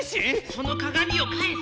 その鏡をかえせ！